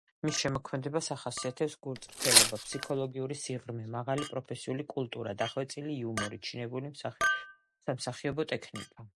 მის შემოქმედებას ახასიათებს გულწრფელობა, ფსიქოლოგიური სიღრმე, მაღალი პროფესიული კულტურა, დახვეწილი იუმორი, ჩინებული სამსახიობო ტექნიკა.